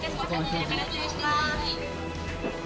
こちらから失礼します。